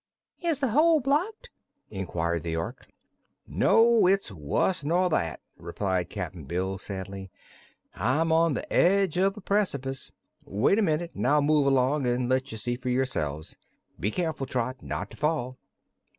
"Is the hole blocked?" inquired the Ork. "No; it's wuss nor that," replied Cap'n Bill sadly. "I'm on the edge of a precipice. Wait a minute an' I'll move along and let you see for yourselves. Be careful, Trot, not to fall."